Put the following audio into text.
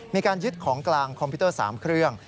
มีการยึดของกลางคอมพิวเตอร์๓เครื่อง